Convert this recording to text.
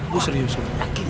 gue serius gue yakin